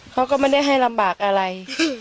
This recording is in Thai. เขาก็ไม่ได้ให้ลำบากอะไร